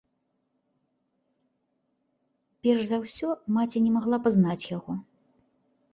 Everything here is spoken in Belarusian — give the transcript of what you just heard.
Перш за ўсё маці не магла пазнаць яго.